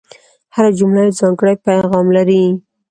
هره جمله یو ځانګړی پیغام لري.